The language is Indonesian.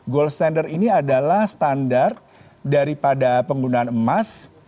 gold standard ini adalah standar daripada penggunaan emas